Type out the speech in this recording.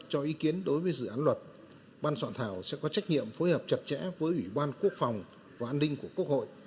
hội hợp chặt chẽ với ủy ban quốc phòng và an ninh của quốc hội